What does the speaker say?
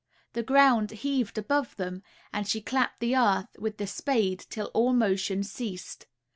The ground heaved above them, and she clapped the earth with the spade till all motion ceased.